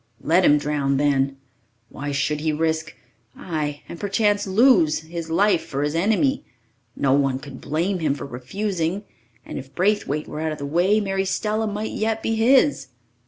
Let him drown, then! Why should he risk ay, and perchance lose his life for his enemy? No one could blame him for refusing and if Braithwaite were out of the way, Mary Stella might yet be his!